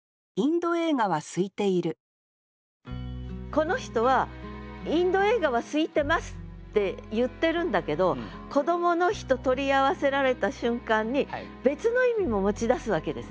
この人は「インド映画は空いてます」って言ってるんだけど「こどもの日」と取り合わせられた瞬間に別の意味も持ちだすわけですね。